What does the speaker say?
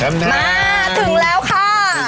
มาถึงแล้วค่ะ